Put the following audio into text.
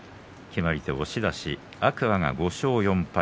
決まり手は押し出し天空海は５勝４敗